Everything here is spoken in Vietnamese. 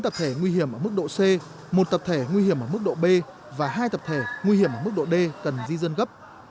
tập thể nguy hiểm ở mức độ c một tập thể nguy hiểm ở mức độ b và hai tập thể nguy hiểm ở mức độ d cần di dân gấp